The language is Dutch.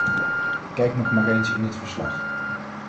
Kijk nog maar eens in het verslag.